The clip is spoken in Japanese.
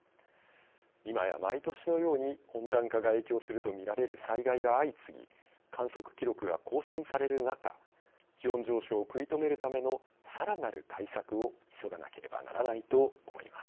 今や毎年のように温暖化が影響するとみられる災害が相次ぎ観測記録が更新される中気温上昇を食い止めるためのさらなる対策を急がなければならないと思います。